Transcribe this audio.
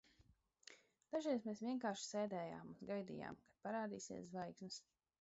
Dažreiz mēs vienkārši sēdējām un gaidījām, kad parādīsies zvaigznes.